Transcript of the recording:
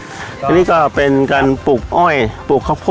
แล้วนี่เราก็พัฒนาแล้วเมื่อก่อนใช้รถยืน